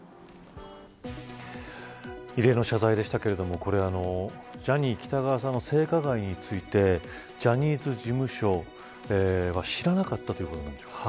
異例の謝罪でしたけれどもジャニー喜多川さんの性加害についてジャニーズ事務所は知らなかったということなんでしょうか。